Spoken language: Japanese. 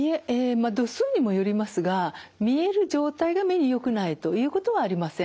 まあ度数にもよりますが見える状態が目によくないということはありません。